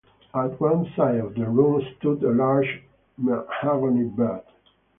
At one side of the room stood a large mahogany bed.